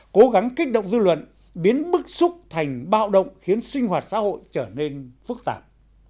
cố gắng kích động dư luận biến bức xúc thành bạo động khiến sinh hoạt xã hội trở nên phức tạp